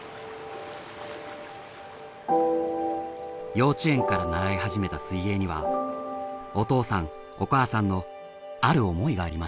幼稚園から習い始めた水泳にはお父さんお母さんのある思いがありました。